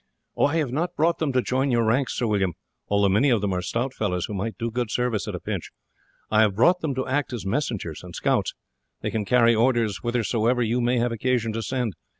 "I have not brought them to join your ranks, Sir William, although many of them are stout fellows who might do good service at a pinch. I have brought them to act as messengers and scouts. They can carry orders whithersoever you may have occasion to send.